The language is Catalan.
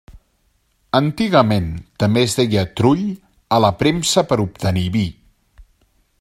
Antigament també es deia trull a la premsa per obtenir vi.